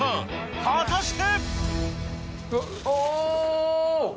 果たして？